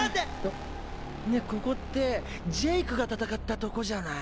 っ⁉ねぇココってジェイクが戦ったとこじゃない？